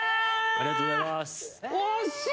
ありがとうございます。